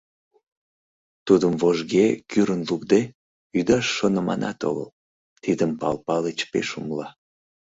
Тудым вожге кӱрын лукде, ӱдаш шоныманат огыл, тидым Пал Палыч пеш умыла.